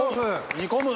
煮込む！